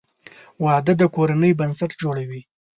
• واده د کورنۍ بنسټ جوړوي.